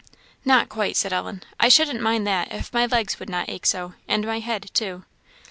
"Not quite," said Ellen. "I shouldn't mind that, if my legs would not ache so and my head, too."